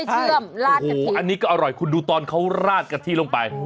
โอ้โหอันนี้ก็อร่อยคุณดูตอนเขาราดกะที่ลงไป